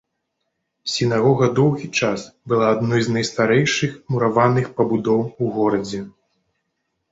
Сінагога доўгі час была адной з найстарэйшых мураваных пабудоў у горадзе.